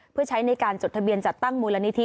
เพื่อใช้ในการจดทะเบียนจัดตั้งมูลนิธิ